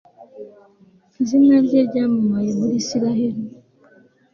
izina rye ryamamaye muri israheli